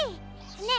ねえ